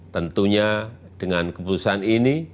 tentunya dengan keputusan ini